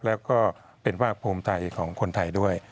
แล้วก็เป็นฝากโภมไทยของคนไทยด้วย